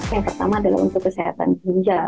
yang pertama adalah untuk kesehatan ginjal